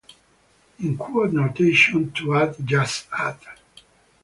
In quote notation, to add, just add.